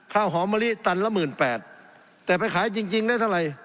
ข้าวหอมมะลิตันละหมื่นแปดแต่ไปขายจริงจริงได้เท่าไหร่